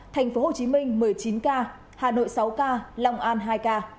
tp hcm một mươi chín ca hà nội sáu ca long an hai ca